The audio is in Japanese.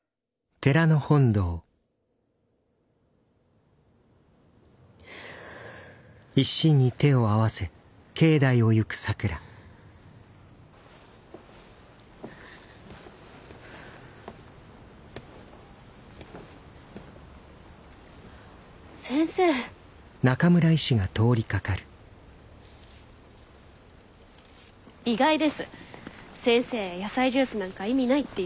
先生野菜ジュースなんか意味ないって言うと思ってたのに。